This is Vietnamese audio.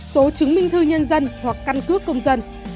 số chứng minh thư nhân dân hoặc căn cước công dân